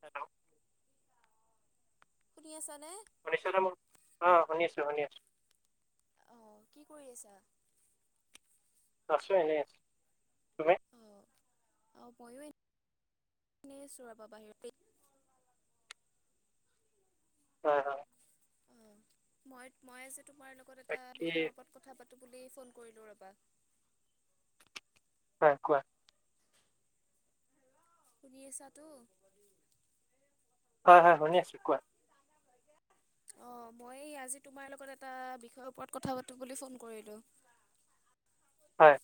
Hello শুনি আছা নে? শুনিছে নে মো অ শুনি আছো, শুনি আছো। অ', কি কৰি আছা? আছো এনেই আছো। তুমি? অ', অ ময়ো এনেই আছো ৰবা বাহিৰতেই হয় হয়। অ মই মই আজি তোমাৰ লগত এটা বাকী বিষয়ৰ ওপৰত কথা পাত- তো বুলি ফোন কৰিলো ৰবা। হয় কোৱা? শুনি আছা তো? হয় হয় শুনি আছো। কোৱা? অ মই আজি তোমাৰ লগত এটা বিষয়ৰ ওপৰত কথা পাতো বুলি ফোন কৰিলো? হয়।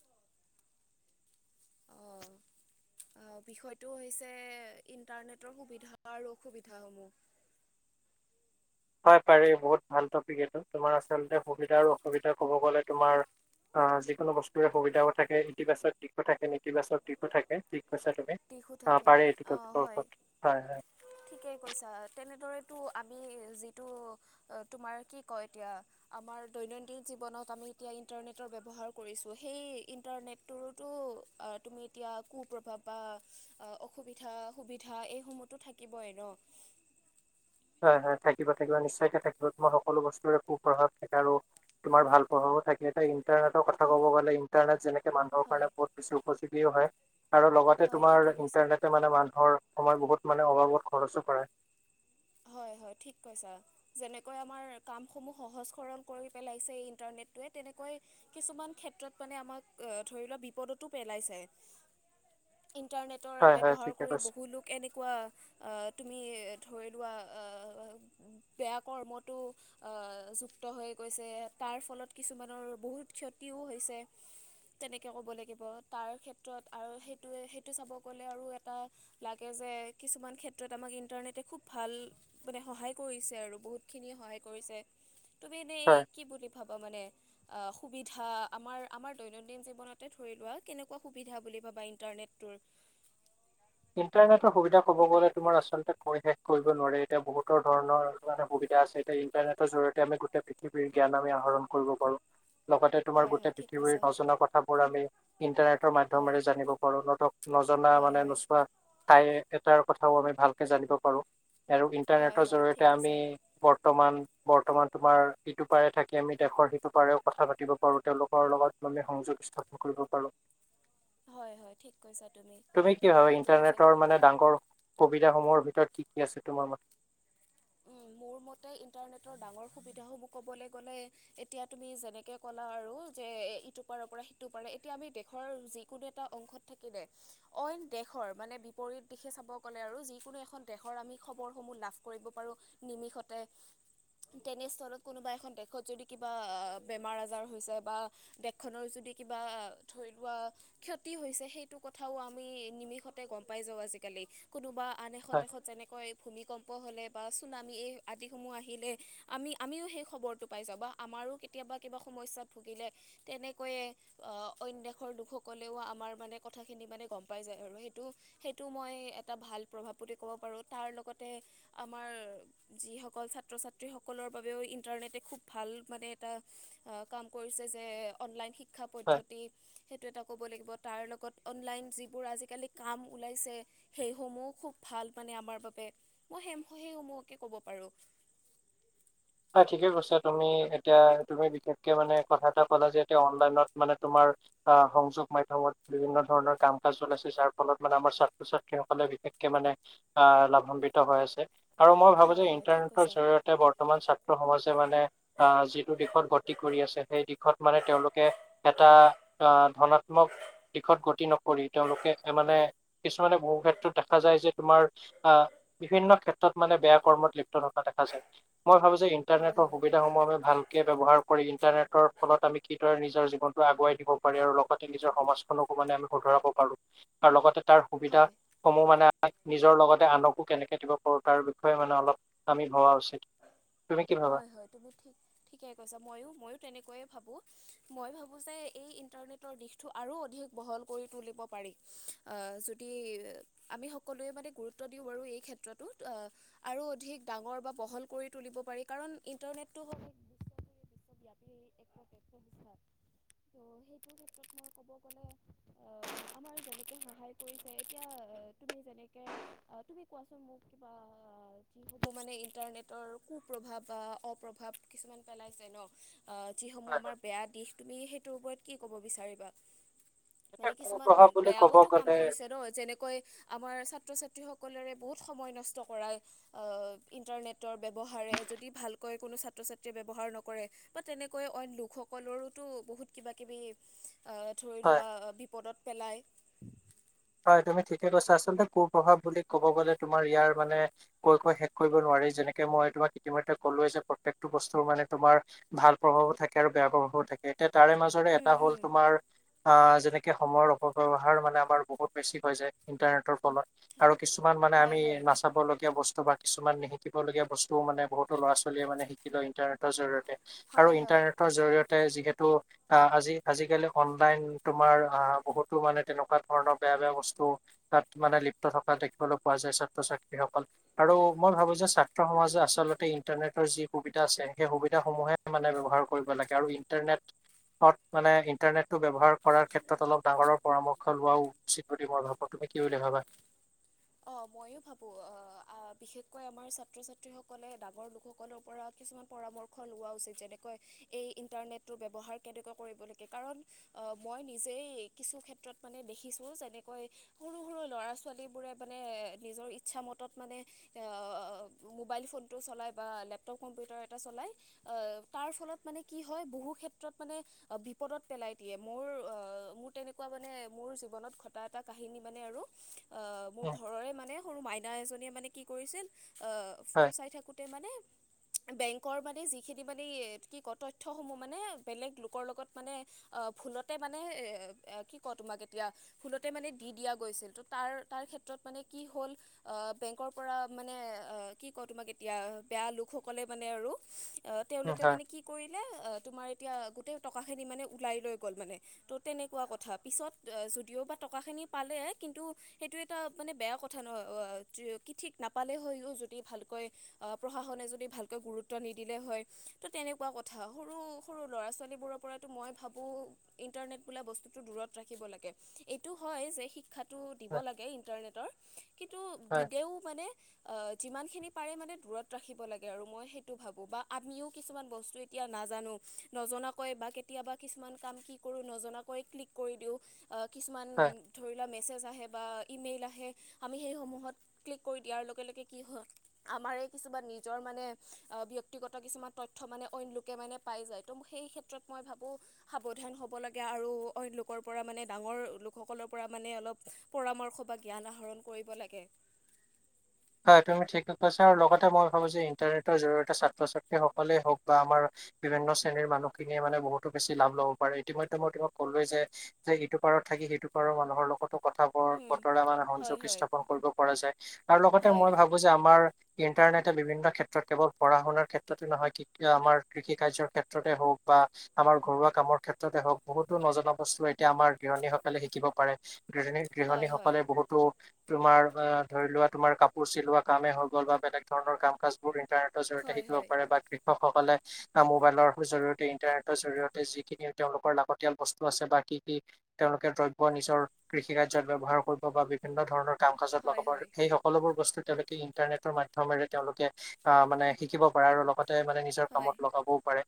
[inaudible] অ বিষয়টো হৈছে ইণ্টাৰনেটৰ সুবিধা আৰু অসুবিধাসমূহ? [inaudible] হয় পাৰি বহুত ভাল টপিক এইটো। তোমাৰ আচলতে সুবিধা আৰু অসুবিধা কব গ'লে তোমাৰ আহ যিকোনো বস্তুৰে সুবিধাও থাকে ইতিবাচক দিশো থাকে নেতিবাচক দিশো থাকে। কৈছা তুমি দিশো অ থাকে পাৰি এইটো অ টপিকৰ হয় ওপৰত হয় হয় ঠিকেই কৈছা তেনেদৰে আমি যিটো তোমাৰ কি কয় এতিয়া আমাৰ দৈনন্দিন জীৱনত আমি এতিয়া ইন্টাৰনেটৰ ব্যৱহাৰ কৰিছোঁ সেই ইন্টাৰনেটটো তুমি এতিয়া কুপ্ৰভাৱ বা অসুবিধা সুবিধা এই সমূহতো থাকিবই ন হয় হয় থাকিবা থাকিবা নিশ্চয়কে থাকিবা, তোমাৰ সকলো বস্তুৰে কুপ্ৰভাৱ থাকে আৰু তোমাৰ ভাল প্ৰভাৱো থাকে। এটা ইণ্টাৰনেটৰ কথা ক'ব গ'লে ইণ্টাৰনেট যেনেকে মানুহৰ হয় কাৰণে বহুত বেছি উপযোগীও হয়, আৰু লগতে হয় তোমাৰ ঠিকে কৈছা ইন্টাৰনেটে মানে মানুহৰ সময় বহুত মানে অভাৱত খৰচো কৰাই। হয় [inaudible] ঠিক কৈছা, যেনেকৈ আমাৰ কাম সমুহ সহজ সৰল কৰি পেলাইছে ইন্টাৰনেটোৱে তেনেকুৱা কিছুমান ক্ষেত্ৰত মানে আমাক ধৰি লোৱা বিপদতো পেলাই যায়। [inaudible] ইণ্টাৰনেটৰ হয় হয় ব্যৱহাৰ ঠিকে কৰি কৈছে বহুলোক এনেকুৱা তুমি ধৰি লোৱা অ পেত বেয়া কৰ্মতো অ যুক্ত হৈ গৈছে তাৰ ফলত কিছুমানৰ বহুত ক্ষতিও হৈছে। তেনেকে ক'ব লাগিব তাৰ ক্ষেত্ৰত আৰু সেইটোৱে সেইটো চাব গলে আৰু এটা লাগেজ কিছুমান ক্ষেত্ৰত আমাক ইণ্টাৰনেটে খুব ভাল মানে সহায় কৰিছে আৰু বহুতখিনিয়ে সহায় কৰিছে। তুমি এনেই হয় কি বুলি ভাব- মানে সুবিধা আমাৰ আমাৰ দৈনন্দিন জীৱনতে ধৰি লোৱা কেনেকুৱা সুবিধা বুলি বা ইন্টাৰনেটটোৰ [inaudible] ইণ্টাৰনেটৰ সুবিধা কব গলে তোমাৰ আচলতে কৈ শেষ কৰিব নোৱাৰে এতিয়া বহুতৰ ধৰণৰ সুবিধা আছে এতিয়া ইন্টাৰনেটৰ জৰিয়তে আমি গোটেই পৃথিৱীৰ জ্ঞান আমি আহৰণ কৰিব পাৰো লগতে তোমাৰ হয় হয় গোটেই ঠিক কৈছা পৃথিৱীৰ নজনা কথাবোৰ আমি ইণ্টাৰনেটৰ হয় মাধ্যমেৰে জানিব পাৰো ন নজনা হয় মানে হয় নোচোৱা ঠাই এটাৰ কথাও আমি ভালকে জানিব পাৰো আৰু হয় ইণ্টাৰনেটৰ হয় ঠিক জৰিয়তে আমি কৈছা বৰ্তমান বৰ্তমান তোমাৰ ইটো পাৰে থাকি আমি দেশৰ সিটো পাৰেও কথা পাতিব পাৰো তেওঁলোকৰ লগত আমি সংযোগ [unintelligible] স্থাপন কৰিব পাৰো হয় হয় ঠিক কৈছা তুমি অ ইন্টাৰনেটৰ মানে ডাঙৰ সুবিধাসমূহৰ ভিতৰত কি কি আছে তোমাৰ মতে উম, মোৰ মতে ইণ্টাৰনেটৰ ডাঙৰ সুবিধাসূহ ক'বলৈ গ'লে এতিয়া তুমি যেনেকৈ ক'লা আৰু যে ইটো পাৰ পৰা সিটো পাৰে এতিয়া আমি দেশৰ যিকোনো এটা অংশত থাকিলে অইন দেশ [unintelligible] দেশৰ মানে বিপৰীত দিশে চাব গ'লে আৰু যিকোনো এখন দেশৰ খবৰ সমূহ লাভ কৰিব পাৰো নিমিষতে তেনেস্থলত কোনোবা এখন দেশত যদি কিবা বেমাৰ আজাৰ হৈছে বা দেশখনৰ যদি কিবা ধৰি লোৱা ক্ষতি হৈছে সেইটো কথাও আমি নিমিষতে গম পাই যাও আজিকালি আজিকালি কোনোবা আন এখন হয় দেশত যেনেকৈ ভূমিকম্প হলে বা চুনামী এই আদিসমূহ আহিলে আমি আমিও সেই খবৰটো পাই যাওঁ বা আমাৰো কেতিয়াবা কিবা [unintelligible] সমস্যাত ভুগিলে তেনেকৈয়ে অন্য দেশৰ লোকসকলেও আমাৰ মানে কথাখিনি মানে গম পাই যায় আৰু সেইটো সেইটো মই এটা ভাল প্ৰভাৱ প্ৰতি ক'ব পাৰো তাৰ লগতে আমাৰ যিসকল ছাত্ৰ ছাত্ৰীসকলৰ বাবেও ইণ্টাৰনেটে খুব ভাল মানে এটা আহ কাম কৰিছে যে অনলাইন শিক্ষা হয়। পদ্ধতি সেইটো এটা ক'ব লাগিব তাৰ লগত অনলাইন যিবোৰ আজিকালি কাম ওলাইছে সেইসমূহ খুব ভাল মানে আমাৰ বাবে মই হে সেই সমূহকে কব পাৰো [unintelligible] হয় ঠিকে কৈছা তুমি এতিয়া তুমি বিশেষকে মানে কথা এটা কলা যে এতিয়া অনলাইনত মানে তোমাৰ সংযোগ মাধ্যমত বিভিন্ন ধৰণৰ কাম কাজ ওলাইছে যাৰ ফলত মানে আমাৰ ছাত্ৰ ছাত্ৰীসকলে বি- বিশেষকে মানে লাভান্বিত হৈ আছে আৰু মই ভাবো যে হয় হয় ঠিক ইন্টাৰনেটৰ কৈছা জৰিয়তে বৰ্তমান ছাত্- [unintelligible] হৈছে মানে যিটো দিশত গতি কৰি আছে সেই দিশত মানে তেওঁলোকে এটা আ- ধনাত্মক দিশত গতি নকৰি তেওঁলোকে মানে কিছুমানে বহু ক্ষেত্ৰত দেখা যায় যে তোমাৰ আহ বিভিন্ন ক্ষেত্ৰত মানে বেয়া কৰ্মত লিপ্ত থকা দেখা যায় মই ভাব যে হয় ইণ্টাৰনেটৰ হয় সুবিধাসমূহ আমি ভালকে ব্যৱহাৰ কৰি ইণ্টাৰনেটৰ ফলত আমি কিদৰে নিজৰ জীৱনটো আগুৱাই দিব পাৰি আৰু লগতে নিজৰ সমাজখনকো মানে আমি শুধৰাব পাৰো আৰু লগতে তাৰ সুবিধা হয় সমূহ মানে ত নিজৰ লগতে আনকো কেনেকে দিব পাৰোঁ তাৰ বিষয়ে মানে অলপ আমি ভবা উচিত। তুমি কি ভাবা? হয় হয় তুমি ঠিক ঠিকে কৈছা মইও ময়ো তেনেকৈয়ে [unintelligible] [inaudible] মই ভাবো যে এই ইন্টাৰনেটৰ দিশটো আৰু অধিক বহল কৰি তুলিব পাৰি আহ যদ- দি আমি সকলোৱে মানে গুৰুত্ব দিওঁ বাৰু এই ক্ষেত্ৰতোত অ আৰু অধিক ডাঙৰ বা বহল কৰি তুলিব পাৰি কাৰণ ইণ্টাৰনেটটো হ- বিশ্বব্যাপী এক প্ৰত্যক্ষ বিস্তাৰ [unintelligible] ত সেইটো ক্ষেত্ৰত মই কব গলে আহ আমাৰ যেনেকে সহায় কৰিছে এতিয়া তুমি যেনেকে তুমি কোৱাচোন মোক কিবা যি হ'ব মানে ইণ্টাৰনেটৰ কু- প্ৰভাৱ বা অপ্ৰভাৱ কিছুমান পেলাইছে ন যিসমূহ হয় আমাৰ হয়। বেয়া দিশ তুমি সেইটোৰ ওপৰত কি ক'ব বিচাৰিবা? এতিয়া মানে কিছুমান কুপ্ৰভাৱ বুলি ক'ব বেয়াওতো কাম গ'লে কৰিছে ন যেনেকৈ আমাৰ ছাত্ৰ ছা- সকলৰে বহুত সময় নষ্ট কৰা ইন্টাৰনেটৰ ব্যৱহাৰে যদি ভালকৈ কোনো ছাত্ৰ ছাত্ৰীয়ে ব্যৱহাৰ নকৰে বা তেনেকৈ অই লোকসকলৰোতো বহুত কিবা কিব- [inaudible] আহ ধৰি হয়। লোৱা বিপদত পেলাই হয়, তুমি ঠিকে কৈছা আচলতে কু প্ৰভাৱ বুলি কব গলে তোমাৰ ইয়াৰ মানে কৈ- কৈ শেষ কৰিব নোৱাৰ পাৰি যেনেকে মই তোমাক ইতিমধ্যে কলো যে প্ৰত্যেকটো বস্তু মানে তোমাৰ ভাল প্ৰভাৱো থাকে আৰু বেয়া প্ৰভাৱ [unintelligible] থাকে এতিয়া তাৰে মাজৰে এটা হ'ল তোমাৰ আহ যেনেকে সময়ৰ অপব্যৱহাৰ মানে আমাৰ বহুত বেছি হয় যায় ইন্টাৰনেটৰ ফলত আৰু কিছুমান মানে হয় হয় আমি হয় নাচাবলগীয়া বস্ত বা কিছুমান নিশিকিবগীয়া বস্তুও মানে বহুতো ল'ৰা -ছোৱালীয়ে মানে শিকি লয় ইণ্টাৰনেটৰ জৰিয়ত আৰু হয় হয় ইন্টাৰনেটৰ জৰিয়তে যিহেত ত' আজি -আজিকালি অনলাইন তোমাৰ আ বহুতো মানে তেনেকুৱা ধৰণৰ বেয়া -বেয়া বস্তু তাত মানে লিপ্ত থকা দেখিবলৈ পোৱা যায় ছাত্ৰ -ছাত্ৰীসকল আৰু মই ভাবো যে ছাত্ৰ সমাজে আচলতে ইণ্টাৰনেটৰ যি সুবিধা আছে সেই সুবিধাসমূহে মানে ব্যৱহাৰ কৰিব লাগে আৰু ইটাৰনেটত মানে ইণ্টাৰনেটটো ব্যৱহাৰ কৰাৰ ক্ষেত্ৰত অলপ ডাঙৰৰ পৰামৰ্শ লোৱাও উচিত বুলি মই ভাবোঁ তুমি কি বুলি ভাবা? [inaudible] মইয়ো ভাবো অহ আ বিশেষকৈ আমাৰ ছাত্ৰ- ছাত্ৰীসকলে ডাঙৰ লোকসকলৰ পৰা কিছুমান পৰা মৰ্শ লোৱা উচিত যেনেকৈ এই ইণ্টাৰনেটটো ব্যৱহাৰ কেনেকোৱা কৰিব লাগে কাৰণ মই নিজেই কিছু ক্ষেত্ৰত মানে দেখিছোঁ যেনেকৈ সৰু -সৰু ল'ৰা ছোৱালীবোৰে মানে নিজৰ ইচ্ছা মতত মানে মোবাইল ফোনটো চলাই বা লেপটপ কম্পিউটাৰ এটা চল লাই অহ তাৰত ফলত মানে কি হয় বহু ক্ষেত্ৰত মানে বিপদত পেলাই দিয়ে মোৰ মোৰ তেনেকুৱা মানে মোৰ জীৱনত ঘটা এটা কাহিনী আৰু মানে আৰু আহ উম, ঘৰৰে মানে সৰু মাইনা এজনীয়ে মানে কি কৰিছিল আহ ফোন হয় চাই থাকোতে মানে বেংকৰ মানে যিখিনি মানে কি ক তথ্যসমূহ মানে বেলেগ লোকৰ লগত মানে অ', ভুলতে মানে এ কি ক তোমাক এতিয়া ভুলতে মানে দি দিয়া গৈছিল। ত' তাৰ -তাৰ ক্ষেত্ৰত মানে কি হ'ল অ', বেংকৰ পৰা মানে অ', কি কওঁ তোমাক এতিয়া বেয়া লোকসকলে মানে তেওঁৰো উম, তেওঁলোকে হয় মানে কি কৰিলে তোমাৰ এতিয়া গোটেই টকা খিনি মানে ওলাই লৈ গ'ল মানে ত' তেনেকুৱা কথা পিছত যদিও বা টকাখিনি পালে কিন্তু সেইটো এটা মানে বেয়া কথা ন' [unintelligible] কি ঠিক নাপালে হৈও যদি ভালকৈ অ', প্ৰশাসনে যদি ভালক গুৰুত্ব নিদিলে হয় ত' তেনেকুৱা কথা সৰু -সৰু ল'ৰা -ছোৱালীবোৰৰ পৰা মই ভাবো ইন্টাৰনেট বোলা বস্তুটো দূৰত ৰাখিব লাগে, এইটো হয় যে শিক্ষা টো দিব হয় লাগে ইন্টাৰনেটৰ কিন্তু হয় দিলেও মানে আ যিমানখিনি পাৰে মানে দূৰত ৰাখিব লাগে আৰু মই সেইটো ভাবোঁ বা আমিও কিছুমান বস্তু এতিয়া নাজানো নজনাকৈ বা কেতিয়াবা কিছুমান কাম কি কৰো নজনাকৈ ক্লিক কৰি দিওঁ। অ', কিছুমান হয় ধৰি লোৱা মেছেজ আহে বা ইমেইল আহে হে আমি সেইসমূহত ক্লিক কৰি দিয়াৰ লগে- লগে কি হল আমাৰে কিছুমান নিজৰ মানে অহ, ব্যক্তিগত কিছুমান তথ্য মানে অইন লোকে মানে পাই যায়, ত' সেই ক্ষেত্ৰত মই ভাবো সাৱধান হ'ব লাগে আৰু অইন লোকৰ পৰা মানে ডাঙৰ লোকসকলৰ পৰা মানে অলপ পৰামৰ্শবাদ জ্ঞান আহৰণ কৰিব লাগে। হয়, তুমি ঠিক কৈছা আৰু লগতে মই ভাবোঁ যে ইণ্টাৰনেটৰ জৰিয়তে ছাত্ৰ- ছাত্ৰী সকলেই হওক বা আমাৰ বিভিন্ন শ্ৰেণীৰ মানুহখিনিয়ে মানে বহুতো বেছি লাভ ল'ব পাৰে ইতিমধ্যে মই তোমাক ক'লোৱে যে এইটো পাৰ থাকি সেইটো পাৰৰ মানুহৰ লগত কটো কথা বৰ উম, বতৰা মানে হয় সংযোগ হয় স্থাপন কৰিব পৰা যায় আৰু লগতে হয় মই ভাবো যে আমাৰ ইণ্টাৰনেটে বিভিন্ন ক্ষেত্ৰত কেৱল পঢ়া- শুনাৰ ক্ষেত্ৰতে নহয় আমাৰ কৃষি- কাৰ্যৰ ক্ষেত্ৰতে হওক বা বা আমাৰ ঘৰুৱা কামৰ ক্ষেত্ৰতে হওক বহুতো নজনা বস্তু এতিয়া আমাৰ গৃহণীসকলে শিকিব পাৰে। গৃহীণী -গৃহণী হয় হয় সকলে বহুতো তোমাৰ অহ ধৰি লোৱা তোমাৰ কাপ কুচি লোৱা কামেই হৈ গ'ল বা বেলেগ ধৰণৰ কাম -কাজ বোৰ ইণ্টাৰনেটৰ জৰিয়তে হয় শিকিব হয় পাৰে বা শিক্ষকসকলে মোবাইলৰ জৰিয়তে ইন্টাৰনেটৰ জৰিয়তে যিখিনি তেওঁলোকৰ লাগতিয়াল বস্তু আছে বা কি -কি তেওঁলোকে দ্ৰব্য নিজৰ কৃষি কাৰ্য্যত ব্যৱহাৰ কৰিব বা বিভিন্ন ধৰণৰ কাম কাজত বা হয় কবৰ হয় [unintelligible] বস্তুল ইন্টাৰনেটৰ মাধ্যমেৰে তেওঁলোকে আহ মানে শিকিব পাৰে আৰু লগতে তে মানে নিজৰ হয় কামত লগাবও পাৰে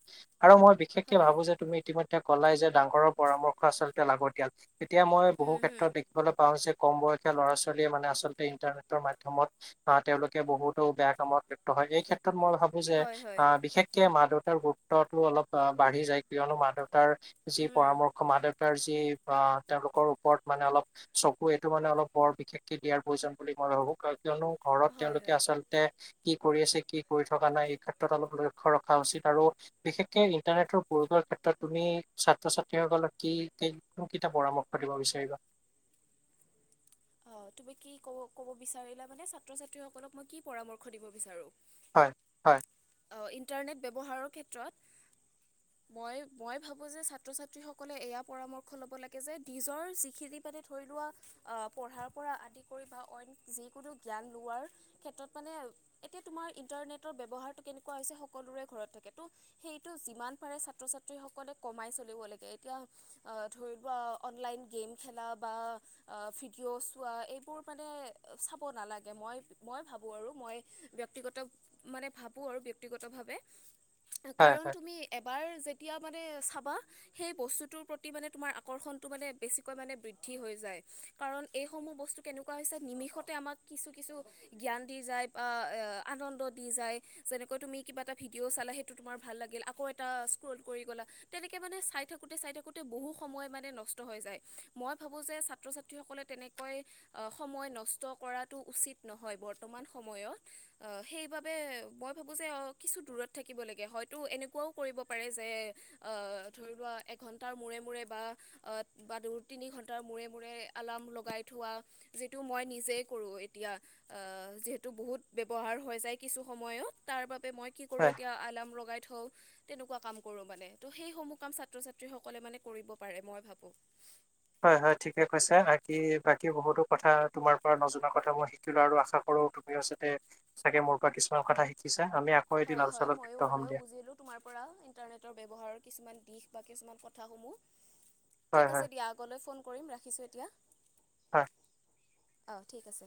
আৰু মই বিশেষকে হয় ভাবো যে তুমি ইতিমধ্যে কলাই যে ডাঙৰৰ পৰামৰ্শ আচলতে লাগতিয়াল তেতিয়া মই বহু হুম হুম ক্ষেত্ৰত দেখিবলৈ পাও যে কম বয়সীয়া ল'ৰা ছোৱালীয়ে মানে আচলতে ইন্টাৰনেটৰ মাই [unintelligible] ধমত আ তেওঁলোকে বহুতো বেয়া কামত লিপ্ত হয় এই ক্ষেত ত মই ভাবো যে হয় হয় আহ বিশেষকে মা দেউতাৰ গুৰুত্বতো অলপ অ বাঢ়ি যায় কিয়নো মা দেউতা [unintelligible] তাৰ যি উম পৰামৰ্শ মা দে তাৰ যি বা তেওঁলোকৰ ওপৰত মানে অলপ চকু এইটো মানে অলপ বৰ বিশেষকে দিয়াৰ প্ৰয়োজন বুলি মই ভাবোঁ। কিয়নো ঘৰত হয় তেওঁলোকে হয় আচলতে কি কৰি আছে কি কৰি থকা নাই এই ক্ষেত্ৰত অলপ লক্ষ্য ৰখা উচিত আৰু বিশেষকে ইণ্টাৰনেটৰ প্ৰয়োগৰ ক্ষেত্ৰত তুমি ছাত্ৰ ছাত্ৰীসকলক কি কোনকেইটা পৰামৰ্শ দিব বিচাৰিবা? [unintelligible] [inaudible] অহ তুমি কি কব কব বিচাৰিলা মানে ছাত্ৰ ছাত্ৰীসকলক মই কি পৰামৰ্শ দিব বিচাৰো? হয় হয় অ ইণ্টাৰনেট ব্যৱহাৰৰ ক্ষেত্ৰত মই মই ভাবো যে ছাত্ৰ ছাত্ৰীসকলে এয়া পৰামৰ্শ ল'ব লাগে যে নিজৰ যিখিনি মানে ধৰি লোৱা আহ পঢ়াৰ পৰা আদি কৰি বা অইন যিকোনো জ্ঞান লোৱাৰ ক্ষেত্ৰত মানে এতিয়া তোমাৰ ইন্টাৰনেটৰ ব্যৱসাৰ টো কেনেকুৱা হৈছে সকলোৰে ঘৰত থাকে ত হেইতু যিমান পাৰে ছাত্ৰ ছাত্ৰীসকলে ক কমাই চলিব লাগে, এতিয়া ধৰি লোৱা অনলাইন গেম খেলা বা আ ফিড কিয় চোৱা এইবোৰ মানে চাব নালাগে মই মই ভাবোঁ আৰু মই ব্যক্তিগত মানে ভাবো আৰু বিয়ক্তিগত ভাবে হয়, কাৰণ হয়, তুমি এবাৰ যে তেতিয়া মানে চাবা সেই বস্তুটোৰ প্ৰতি মানে তোমাৰ আকৰ্ষণটো মানে বেছিকৈ মানে বৃদ্ধি হৈ যায়। কাৰণ এইসমূহ বস্তু কেনেকুৱা হৈছে নিমিষতে আমাক কিছু কিছু জ্ঞান দি যায় বা আ আনন্দ দি যায় যেনেকৈ তুমি কিবা এটা ভিডিঅ' চালা সেইটো তোমাৰ ভাল লাগিল আকৌ এটা স্ক্ৰল কৰি গ'লা তেনেকে মানে চাই থাকোতে চাই থাকোতে বহু সময় মানে নষ্ট হৈ যায়, মই ভাবো যে ছাত্ৰ ছাত সকলে তেনেকৈ সময় নষ্ট কৰাটো উচিত নহয় বৰ্তমান সময়ত। সেইবাবে মই ভাবোঁ যে কিছু দূৰত থাকিব লাগে, হয়তো এনেকুৱাও কৰিব পাৰে যে আহ ধৰি লোৱা এঘন্টাৰ মূৰে মূৰে বা বা দু তিনি ঘন্টাৰ মূৰে মূৰে আলাৰ্ম লগাই থোৱা যিটো মই নিজেই কৰোঁ এতিয়া যিহেতু বহুত ব্যৱহাৰ হৈ য কিছু সময়ত তাৰ বাবে মই কি কৰো হয়, এতিয়া আলাম লগাই থওঁ [unintelligible] তেনেকুৱা কাম কৰোঁ মানে ত' সেইসমূহ কাম ছাত্ৰ ছাত্ৰীসকলে মানে কৰিব পাৰে মই ভাবো। হয় হয় ঠিকে কৈছো আকি বাকি বহুতো কথা তুমাৰ পৰা নজনা কথা মই শিকিলো আৰু আশা কৰো তুমিও চাতে চাগে মোৰ পৰা কিছুমান কথা শিকিছ [unintelligible] হয় হয় মইও বুজিলোঁ তোমাৰ পৰা ইণ্টাৰনেটৰ ব্যৱহাৰ কিছুমান দিশ। কিছুমান কথা সমূহ। হয়, ঠিক হয়, আছে দিয়া আগলৈ ফোন কৰিম ৰাখিছো এতিয়া। হয় অঁ ঠিক আছে।